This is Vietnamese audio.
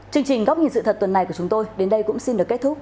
chương trình góc nhìn sự thật tuần này của chúng tôi đến đây cũng xin được kết thúc